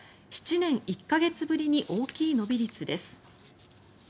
７年１か月ぶりに大きい伸び率です。